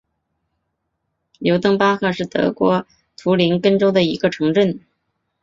尤登巴赫是德国图林根州的一个市镇。